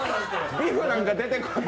ビフなんか出てこない。